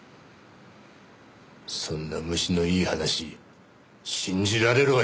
そんな虫のいい話信じられるわけねえだろ！